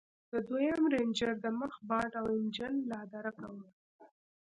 د دويم رېنجر د مخ بانټ او انجن لادرکه و.